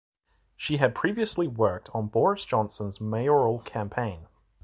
She had previously worked on Boris Johnson's mayoral campaign.